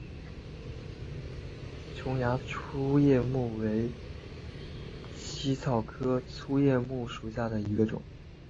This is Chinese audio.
琼崖粗叶木为茜草科粗叶木属下的一个种。